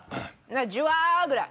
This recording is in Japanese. ジュワッぐらい。